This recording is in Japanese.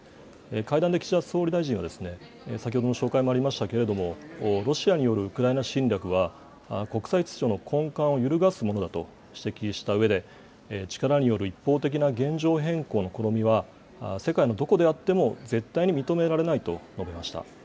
会談で岸田総理大臣は、先ほどの紹介もありましたけれども、ロシアによるウクライナ侵略は、国際秩序の根幹を揺るがすものだと指摘したうえで、力による一方的な現状変更の試みは、世界のどこであっても絶対に認められないと述べました。